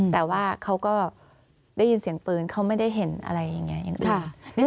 แต่ว่าเขาก็ได้ยินเสียงปืนเขาไม่ได้เห็นอะไรอย่างนี้นะคะ